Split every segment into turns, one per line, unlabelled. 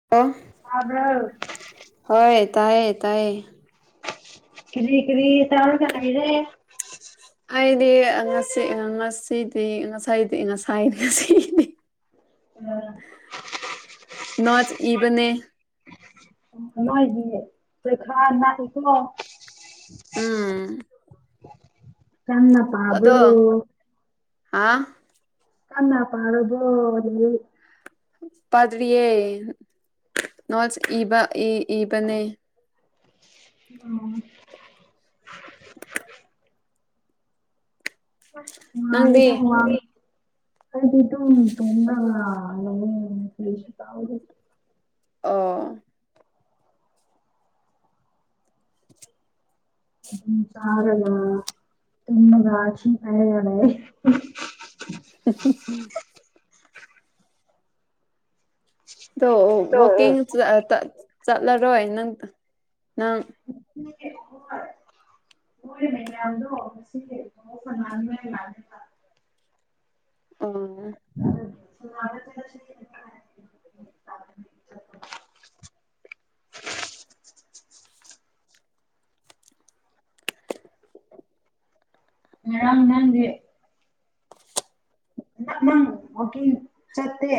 [unintelligible]
[unintelligible]
ꯍꯣꯏ ꯇꯥꯏꯌꯦ ꯇꯥꯏꯌꯦ
ꯀꯔꯤ ꯀꯔꯤ ꯇꯧꯔꯒꯥ ꯂꯩꯔꯦ
ꯑꯩꯗꯤ ꯉꯁꯤ ꯉꯁꯤꯗꯤ ꯉꯁꯥꯏꯗꯤ ꯉꯁꯥꯏ ꯉꯁꯤꯗꯤ ꯅꯣꯠꯁ ꯏꯕꯅꯦ
ꯅꯣꯏꯒꯤ ꯄꯔꯤꯈꯥ ꯅꯥꯛꯑꯦꯀꯣ
ꯎꯝ ꯑꯗꯣ ꯍꯥꯥ
ꯀꯟꯅ ꯄꯥꯔꯕꯣ ꯂꯥꯏꯔꯤꯛ
ꯄꯗꯔꯤꯑꯦ ꯅꯣꯠꯁ ꯏꯕ ꯏ ꯏꯕꯅꯦ
ꯎꯝ
ꯅꯪꯗꯤ
[unintelligible] ꯑꯩꯗꯤ ꯗꯨꯝ ꯇꯨꯝꯔꯒꯥ ꯂꯩꯑꯦ ꯀ꯭ꯔꯤꯁꯨ ꯇꯧꯗꯦ
ꯑꯣ
ꯑꯗꯨꯝ ꯆꯔꯒ ꯇꯨꯝꯔꯒ ꯊꯤ ꯐꯥꯏꯔꯒ ꯂꯩ
[unintelligible] ꯑꯗꯣ ꯋꯥꯛꯀꯤꯡ ꯆꯠꯂꯔꯣꯏ ꯅꯪ ꯅꯪ [inaudible]
[unintelligible]
ꯑꯣ
[unintelligible] ꯉꯔꯥꯡ ꯅꯪꯗꯤ ꯍꯟꯗꯛ ꯅꯪ ꯋꯥꯀꯤꯡ ꯆꯠꯇꯦ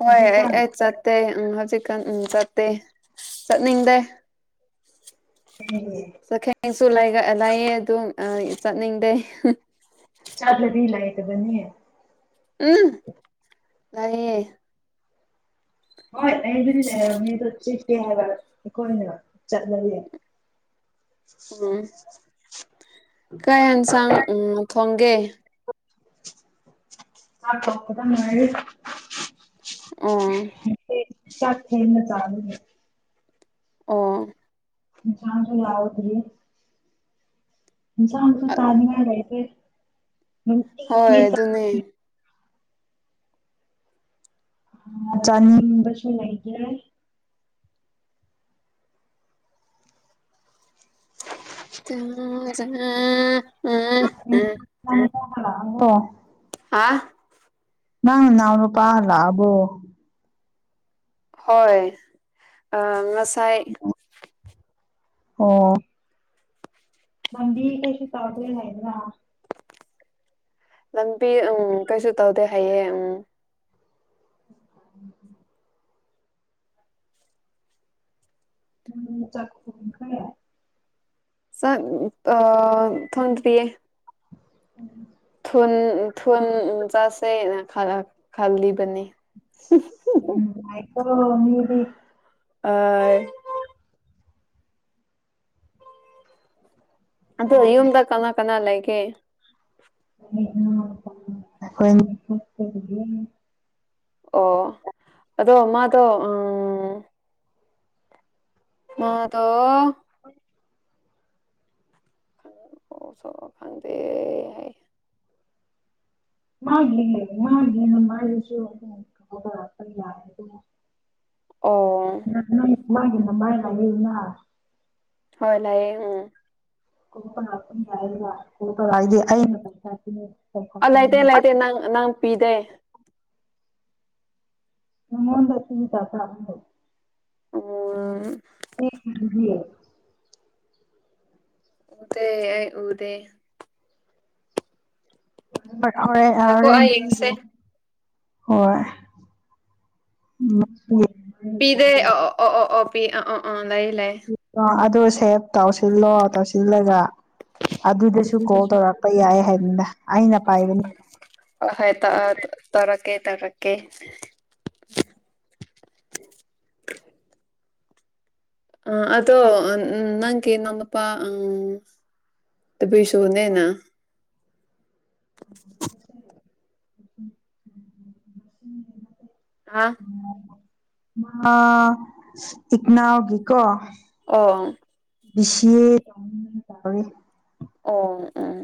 ꯍꯣꯏ ꯑꯩ ꯑꯩ ꯆꯠꯇꯦ ꯎꯝ ꯍꯧꯖꯤꯛꯀꯥꯟ ꯎꯝ ꯆꯠꯇꯦ ꯆꯠꯅꯤꯡꯗꯦ
ꯀꯩꯒꯤ
ꯆꯈꯦꯡꯁꯨ ꯂꯩ ꯂꯩꯏꯌꯦ ꯑꯗꯨꯝ ꯆꯠꯅꯤꯡꯗꯦ
ꯆꯥꯠꯂꯕꯤ ꯂꯩꯇꯕ ꯅꯤ
ꯎꯝ ꯅꯌꯦ
ꯍꯣꯏ ꯂꯩꯕꯨꯗꯤ ꯂꯩꯔꯝꯅꯤ ꯑꯗꯨ ꯆꯦ ꯄꯦ ꯍꯥꯏꯕ ꯑꯩꯈꯣꯏꯅ ꯆꯠꯂꯗꯤ
ꯎꯝ ꯀꯩ ꯌꯦꯟꯁꯥꯡ ꯎꯝ ꯊꯣꯡꯒꯦ
ꯆꯥꯛ ꯊꯣꯡꯕꯗ ꯉꯥꯏꯔꯤ
ꯑꯣ
ꯅꯠꯇꯦ ꯆꯥꯛ ꯊꯦꯡꯅ ꯆꯥꯅꯤꯡꯉꯦ
ꯑꯣ
ꯏꯟꯁꯥꯡꯗꯣ ꯌꯥꯎꯗꯔꯤ ꯢꯟꯁꯥꯡꯁꯨ ꯆꯥꯅꯤꯉꯥꯢ ꯂꯩꯇꯦ
ꯍꯣꯏ ꯑꯗꯨꯅꯦ
ꯆꯥꯅꯤꯡꯕꯁꯨ ꯂꯩꯇ꯭ꯔꯦ
[unintelligible]
[unintelligible] ꯀꯣ
ꯍꯥ
ꯅꯪ ꯅꯅꯥꯎ ꯅꯨꯄꯥ ꯂꯛꯑꯕꯣ
ꯍꯣꯏ ꯑ ꯉꯁꯥꯏ
ꯑꯣ ꯂꯝꯕꯤ ꯀꯦꯁꯨ ꯇꯧꯗꯦ ꯍꯥꯢꯕ꯭ꯔꯥ
ꯂꯝꯕꯤ ꯎꯝ ꯀꯩꯁꯨ ꯇꯧꯗꯦ ꯍꯥꯏꯑꯦ ꯎꯝ
ꯥ [unintelligible] ꯎꯝ ꯆꯛ ꯊꯣꯡꯈ꯭ꯔꯦ
ꯆꯠ ꯑ ꯊꯣꯡꯗꯔꯤꯌꯦ
[unintelligible]
ꯊꯨꯟ ꯊꯨꯟ ꯆꯠꯁꯦꯅ ꯈꯜꯂ ꯈꯜꯂꯤꯕꯅꯦ
ꯅꯨꯡꯉꯥꯥꯏꯀꯣ ꯃꯤꯗꯤ
ꯑꯥ ꯑꯗꯣ ꯌꯨꯝꯗ ꯀꯅꯥ ꯀꯅꯥ ꯂꯩꯒꯦ
[unintelligible]
ꯑꯣ ꯑꯗꯣ ꯃꯥꯗꯣ ꯎꯝ ꯎꯝ ꯇꯧꯔꯣ
[unintelligible]
ꯑꯣ ꯁꯣ ꯐꯪꯗꯦ ꯍꯦ
ꯃꯥꯒꯤ ꯃꯥꯒꯤ ꯃꯃꯥꯢꯗꯨꯁꯨ [unintelligible]
ꯑꯣ
ꯅꯪ ꯃꯥꯒꯤ ꯃꯃꯥꯢ [unintelligible]
ꯍꯣꯏ ꯂꯩꯌꯦ ꯎꯝ
[unintelligible]
ꯑ ꯂꯩꯇꯦ ꯂꯩꯇꯦ ꯅꯪ ꯅꯪ ꯄꯤꯗꯦ
[unintelligible]
ꯎꯝ
ꯑꯩ [unintelligible]
ꯎꯗꯦ ꯑꯩ ꯎꯗꯦ
ꯍꯣꯔꯦꯟ ꯑ
ꯉꯥꯏꯈꯣ
ꯍꯣꯔꯦꯟ
ꯑꯩ ꯌꯦꯡꯁꯦ
ꯄꯤꯒꯦ ꯍꯣꯏ [unintelligible]
ꯄꯤꯗꯦ ꯑ ꯑꯣ ꯑꯣ ꯑꯣ ꯄꯤ ꯑ ꯑ ꯑ ꯂꯩ ꯂꯩ
ꯑꯣ ꯑꯗꯨ ꯁꯦꯕ ꯇꯧꯁꯤꯜꯂꯣ ꯇꯧꯁꯤꯜꯂꯒ ꯑꯗꯨꯗꯁꯨ ꯀꯣꯜ ꯇꯧꯔꯛꯄ ꯌꯥꯏ ꯍꯥꯏꯕꯅꯤꯗ ꯑꯩꯅ ꯄꯥꯏꯕꯅꯤ
ꯑ ꯍꯣꯏ ꯇ ꯇꯧꯔꯛꯀꯦ ꯇꯧꯔꯛꯀꯦ ꯑ ꯑꯗꯣ ꯅꯪꯀꯤ ꯅꯅꯥꯎ ꯅꯨꯄꯥ ꯑꯪ ꯇꯕꯦꯁꯨꯅꯦꯅ
[inaudible]
ꯍꯥ
ꯃꯥ ꯏꯛꯅꯥꯎꯒꯤ ꯀꯣ
ꯑꯣꯡ
ꯕꯤ ꯁꯤ ꯑꯦ ꯇꯧꯅꯤꯅ ꯇꯧꯔꯤꯌꯦ
ꯑꯣꯡ ꯎꯪ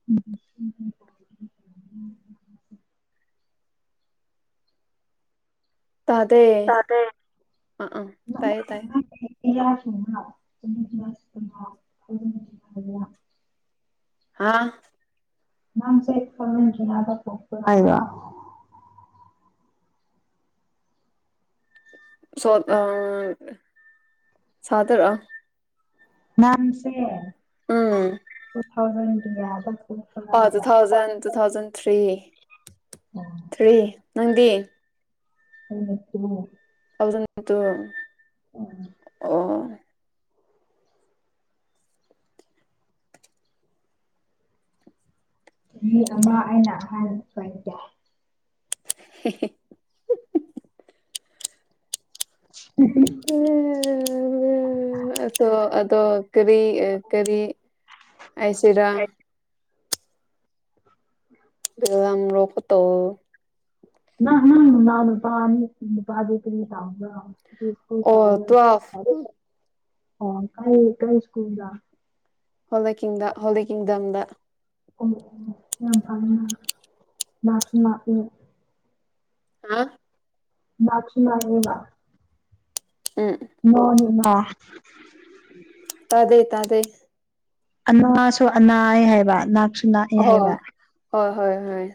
[unintelligible]
ꯇꯥꯗꯦ
ꯇꯥꯗꯦ
ꯑꯥ ꯑꯪ ꯇꯥꯏꯌꯦ ꯇꯥꯏꯌꯦ
[unintelligible]
ꯍꯥꯥ
ꯅꯪꯁꯦ [unintelligible]
ꯁꯣꯠ ꯑ ꯁꯥꯇꯔ ꯑ
ꯅꯪꯁꯦ
ꯎꯝ
ꯇꯨ ꯊꯥꯎꯖꯟ ꯀꯌꯥꯗ
ꯑ two thousand two thousand three three ꯅꯪꯗꯤ
ꯀꯩꯅꯣ ꯁꯤꯕꯨ
ꯊꯥꯎꯖꯟ ꯇꯨ
ꯎꯝ
[unintelligible]
ꯃꯤ ꯑꯃ ꯑꯩꯅ ꯑꯍꯥꯟꯕ [unintelligible]
ꯍꯦꯍꯦ
[unintelligible]
[unintelligible] ꯑꯇꯣ ꯑꯗꯣ ꯀꯔꯤ ꯀꯔꯤ ꯍꯥꯏꯁꯤꯔꯥ
[inaudible]
ꯕꯤꯠꯔꯝꯔꯣꯛꯄꯇꯣ
ꯅꯪ [unintelligible] ꯅꯅꯥꯎ ꯅꯨꯄꯥꯅꯤ ꯅꯨꯄꯥꯗꯨ ꯀꯔꯤ
ꯑꯣ
ꯇꯧꯄ꯭ꯔꯣ
ꯇꯨꯋꯦꯜꯐ
[unintelligible] ꯀꯔꯤ ꯀꯔꯤ ꯁ꯭ꯀꯨꯜꯗ
ꯍꯣꯂꯤꯛ ꯀꯤꯡꯗ ꯍꯣꯂꯤꯛ ꯀꯤꯡꯗꯝꯗ
ꯑꯣ ꯑꯣ ꯌꯥꯝ ꯐꯩꯅꯥ ꯅꯛꯁꯨ ꯂꯥꯞꯄꯦ
[unintelligible]
ꯅꯛꯁꯨ ꯅꯛꯏꯕ
ꯎꯝ
[unintelligible]
ꯇꯥꯗꯦ ꯇꯥꯗꯦ
ꯑꯅꯥꯁꯨ ꯑꯅꯥꯑꯦ ꯍꯥꯏꯕ ꯅꯛꯁꯨ ꯅꯥꯛꯑꯦ ꯍꯥꯏꯕ
ꯍꯣ ꯍꯣꯏ ꯍꯣꯏ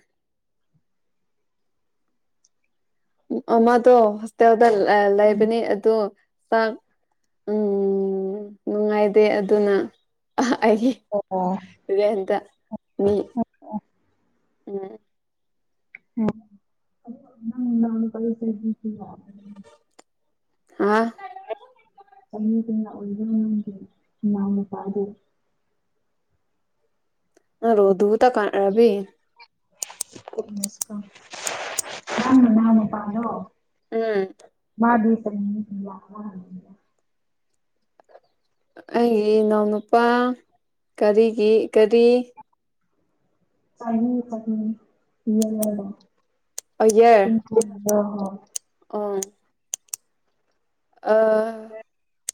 ꯎꯝ ꯑꯃꯗꯣ ꯍꯣꯁꯇꯦꯜꯗ ꯂꯩ ꯂꯩꯕꯅꯤ ꯑꯗꯨ ꯆꯥꯛ ꯎꯨꯝ ꯅꯨꯡꯉꯥꯏꯗꯦ ꯑꯗꯨꯅ ꯑꯩꯒꯤ
[unintelligible]
ꯔꯦꯟꯇ ꯃꯤ ꯎꯝ
[unintelligible]
ꯍꯥꯥ
[unintelligible] ꯅꯪꯒꯤ ꯏꯅꯥꯎ ꯅꯨꯄꯥꯗꯨ
[unintelligible]
[unintelligible] ꯅꯪ ꯅꯅꯥꯎ ꯅꯨꯄꯥꯗꯣ
ꯎꯝ
ꯃꯥꯗꯤ ꯀꯔꯤ [unintelligible]
ꯑꯩꯒꯤ ꯏꯅꯥꯎꯅꯨꯄꯥ ꯀꯔꯤꯒꯤ ꯀꯔꯤ
[unintelligible]
ꯑꯩꯌꯦ
[unintelligible]
ꯑ ꯑꯥ
[inaudible]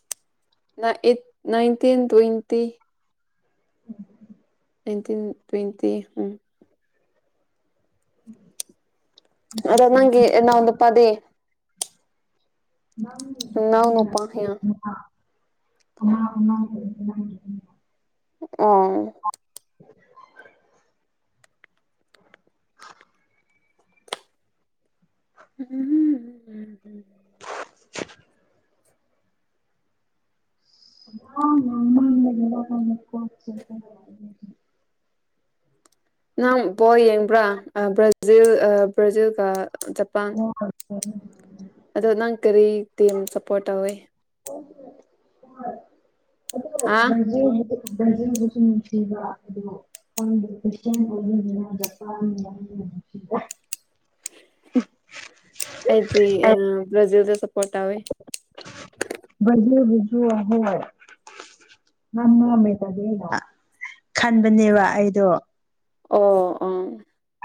ꯏꯟꯇꯤꯟ twenty
um
nineteen twenty
um
ꯑꯗꯣ ꯅꯪꯒꯤ ꯏꯅꯥꯎ ꯅꯨꯄꯗꯦ ꯏꯎꯅꯣ ꯄ
ꯑ ꯍ
ꯑ
[unintelligible] [unintelligible]
ꯎꯝ
ꯑ ꯃꯃ ꯀ
ꯅꯪ ꯕꯣ ꯌꯦꯡꯕ꯭ꯔꯥ ꯕ꯭ꯔꯥꯖꯤꯜ ꯕ꯭ꯔꯥꯖꯤꯜꯒ ꯖꯄꯥꯟ
ꯍ
ꯑꯗꯣ ꯅꯪ ꯀꯔꯤ ꯇꯤꯝ ꯁꯞꯄꯣꯔꯠ ꯇꯧꯏꯤ
ꯑꯣ ꯍ ꯍ
ꯍꯥ
ꯑꯗꯨ ꯗꯖꯟꯕꯨꯁꯨ ꯅꯨꯡꯁꯤꯕ ꯑꯗꯨꯣ ꯀ꯭ ꯖꯄꯥꯟ
ꯑꯩꯗꯤ ꯕ꯭ꯔꯥꯖꯤꯜꯗ ꯁꯄꯣꯔꯠꯋ
ꯖꯨ ꯑꯍꯣꯏꯣꯏ ꯃꯃꯝꯃꯦꯗꯗꯤꯅ ꯈꯟꯕꯅꯦꯕ ꯑꯩꯗꯣ
ꯑꯣ ꯑ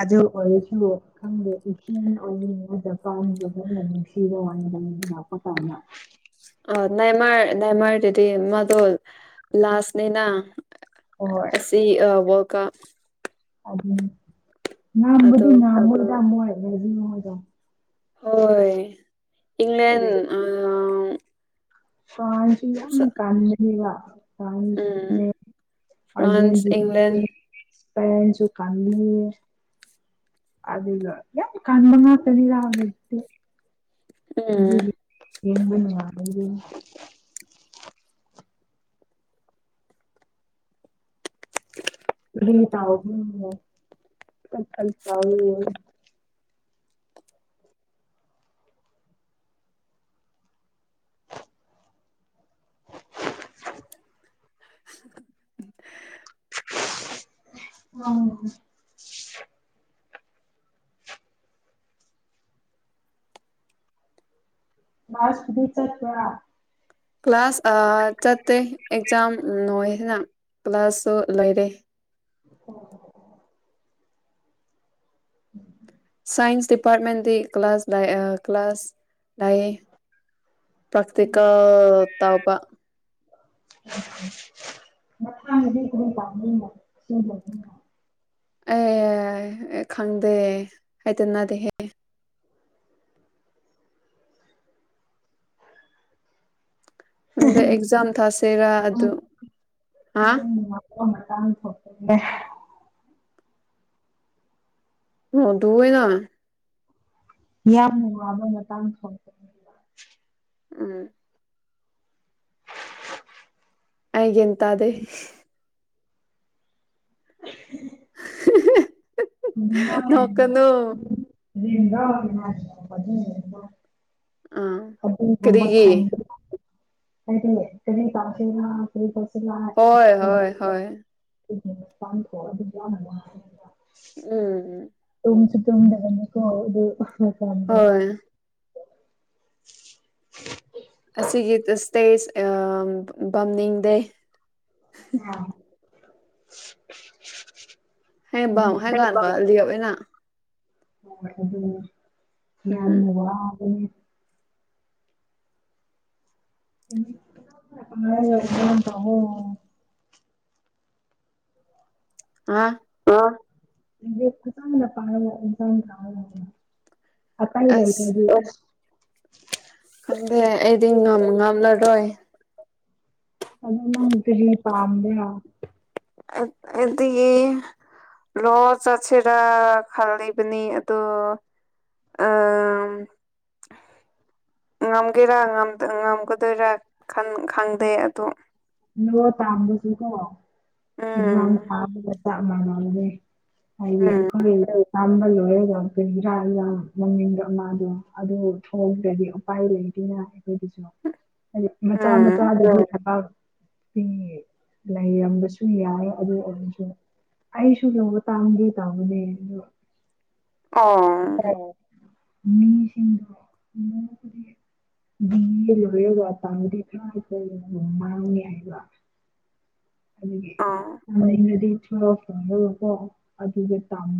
ꯑꯗꯨ ꯑꯣꯏꯁꯨ ꯈꯪꯗꯦ ꯏꯆꯦ ꯑꯣꯏꯅꯤꯡ ꯑꯃꯗ ꯐꯥꯕꯅ ꯅꯨꯡꯁꯤꯕ ꯋꯥꯅꯤꯅ ꯂꯥꯛꯄ ꯀꯥꯟꯗ
ꯑ ꯅꯥꯏꯃꯔ ꯅꯥꯏꯃꯔꯗꯨꯗꯤ ꯃꯥꯗꯣ ꯂꯥꯁꯅꯤꯅ ꯑꯁꯤꯁꯤ ꯑ ꯋꯥ ꯀ
ꯑꯗꯨ ꯉꯝꯕꯗꯤ
ꯑꯗꯣ
ꯉꯝꯕꯗꯃꯗ
ꯍꯣꯏ ꯏꯪꯂ꯭ꯂꯦꯟ
ꯀꯁꯤ ꯀꯅꯤꯒ ꯐ꯭ꯔꯥꯟꯁꯅꯦ
ꯐ꯭ꯔꯥꯟꯁ
ꯑꯔꯖꯦꯟꯇꯅꯥ
ꯏꯪꯂꯦꯟ
ꯄꯦꯟꯁꯨ ꯀꯥꯟꯅꯤ ꯑꯗꯨ ꯀꯟꯕ ꯉꯥꯇꯅꯤ ꯂꯛꯇꯦ
ꯎꯝ
ꯑꯗꯨꯗꯤ ꯌꯦꯡꯕꯅ ꯃꯥ ꯎ ꯎ ꯀ ꯎ ꯎꯝ ꯃꯥꯁꯗꯤ ꯆ ꯊꯔꯥ
ꯀ꯭ꯂꯥꯁ ꯆꯠꯇꯦ ꯑꯦꯛꯖꯥꯝ ꯅꯣꯏ ꯍꯥꯏꯅ ꯀ꯭ꯂꯥꯁꯁꯨ ꯂꯩꯣꯏꯔꯦ
ꯑꯣ ꯎꯝ
ꯁꯥꯏꯟꯁ ꯗꯤꯄꯥꯔꯠꯃꯦꯟꯗꯤ ꯀ꯭ꯂꯥꯁ ꯂ ꯀ꯭ꯂꯥꯁ ꯂ ꯄꯀ꯭ꯀ ꯇꯥꯎꯕ
ꯑꯣ ꯃꯊꯥꯡꯗꯤ ꯀ ꯇꯥ
ꯑꯦ ꯈꯪꯗꯦ ꯍꯥꯏꯗꯅꯗꯦꯍꯦ ꯃ ꯑꯦꯛꯖꯝ ꯊꯥꯥꯁꯦꯔ ꯑꯗꯨ ꯑꯗꯨ ꯑ
ꯃꯇ ꯇꯥꯡ ꯊꯣꯛꯄꯦ
ꯑꯣ ꯑꯗꯨꯣꯏꯅ
ꯌꯥꯝꯅ ꯋꯥꯕ ꯃꯇꯥꯡ ꯊꯣꯛꯛꯄꯅꯤ
ꯎꯝ ꯍꯥꯏꯒꯦꯇꯗꯦ
[unintelligible]
[unintelligible] ꯅꯣꯛꯀꯅꯨ
[unintelligible]
ꯑꯥ
ꯑꯗꯨ ꯊ
ꯀꯔꯤꯒꯤ
ꯍꯥꯏꯗꯤ ꯀ ꯇꯁꯤꯗ ꯀꯣꯠꯁꯤ ꯂꯑ ꯊꯣꯛ
ꯍꯣꯏ ꯍꯣꯏ ꯍꯣꯏ
ꯑꯗꯨꯝ ꯌꯥꯅ
ꯎꯝ
ꯇꯣꯝꯁꯤ ꯇꯣꯡꯗꯅꯅꯤ ꯀꯣ ꯑꯗꯨ ꯀꯥꯟ
ꯍꯣꯏ ꯑꯁꯤꯒꯤ ꯁꯇꯦꯖ ꯕꯝꯅꯤꯡ ꯗꯦ
[unintelligible]
ꯍꯦ ꯕ ꯍꯦꯒꯔ ꯈꯂꯤꯕꯅ
ꯌꯥꯝ
ꯎꯝ
ꯋꯥ [unintelligible]
ꯑꯉꯥꯡ
ꯐꯅ ꯄꯥꯔ ꯏꯟꯁꯥꯡ ꯈ
ꯑꯁ ꯈꯪꯗꯦ ꯑꯩꯗꯤ ꯉꯥꯝꯂꯔꯣꯏ
ꯀꯩꯅꯣꯅ ꯐꯅꯤ ꯄꯥꯝꯗꯦ ꯍꯥ
ꯏꯁꯤꯗꯒꯤ ꯂꯣ ꯆꯠꯁꯤꯔꯥ ꯈꯜꯂꯤꯕꯅꯤ ꯑꯣ ꯑ ꯉꯝꯒꯦꯔꯥ ꯉꯝꯒꯗꯣꯏꯔꯥ ꯈꯪꯗꯦ ꯑꯗꯨꯗ
ꯂ ꯇꯥꯝꯕꯁꯨ ꯀꯣ
ꯎꯝ
ꯑꯦꯖꯝ ꯊ ꯇ ꯃꯅꯦ ꯑ
ꯎꯝ
ꯀꯣꯏ ꯇꯝꯕꯜ ꯑꯣꯏꯒ ꯀꯩꯗꯔꯥ ꯃꯃꯤꯡꯗꯣ ꯑꯃꯗꯣ ꯑꯗꯨ ꯊꯣꯡꯔꯗꯤ ꯎꯄꯥꯏ ꯂꯩꯗꯅ ꯑꯩꯈꯣꯏꯗꯁꯨ
[unintelligible]
ꯃꯆꯥꯥꯎ ꯃꯆꯥ
ꯎꯝ
ꯑꯗꯨ ꯊ ꯂꯩꯔꯝꯕꯁꯨ ꯌꯥꯏ ꯑꯗꯨ ꯑꯣꯏꯔꯁꯨ ꯑꯩꯁꯨꯨ ꯂꯧꯕ ꯇꯥꯡꯒꯦ ꯇꯕꯨꯅꯦ
ꯑꯣ
ꯃꯤꯁꯤꯡꯗ ꯅ ꯂꯣꯏꯔꯒ ꯄꯥꯡꯗꯤ ꯈꯔꯈ ꯃꯥꯡꯉꯦ [unintelligible]
ꯑꯣ
ꯑꯗꯨꯗꯒꯤꯅꯗꯤ ꯆꯀꯣ ꯑꯗꯨꯗ ꯇꯝ